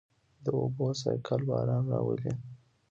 د اوبو سائیکل باران راولي.